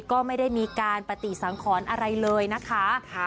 ก็ไม่ได้มีการปฏิสังขรอะไรเลยนะคะ